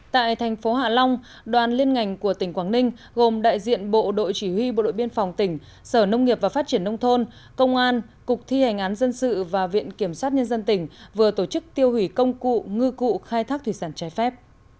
tại thành phố hạ long đoàn liên ngành của tỉnh quảng ninh gồm đại diện bộ đội chỉ huy bộ đội biên phòng tỉnh sở nông nghiệp và phát triển nông thôn công an cục thi hành án dân sự và viện kiểm sát nhân dân tỉnh vừa tổ chức tiêu hủy công cụ ngư cụ khai thác thủy sản trái phép